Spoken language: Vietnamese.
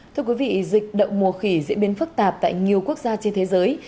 thưa quý vị dịch động mùa khỉ diễn biến phức tạp tại nhiều quốc gia trên thế giới